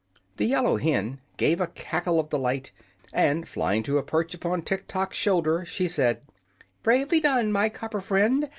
The yellow hen gave a cackle of delight, and flying to a perch upon Tiktok's shoulder, she said: "Bravely done, my copper friend!